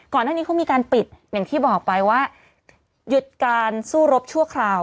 ก่อนหน้านี้เขามีการปิดอย่างที่บอกไปว่าหยุดการสู้รบชั่วคราว